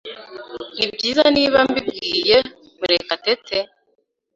Nibyiza niba mbibwiye Murekatete?